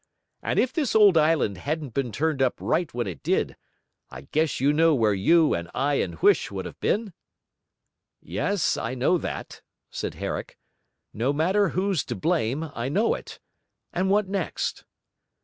and if this old island hadn't been turned up right when it did, I guess you know where you and I and Huish would have been?' 'Yes, I know that,' said Herrick. 'No matter who's to blame, I know it. And what next?'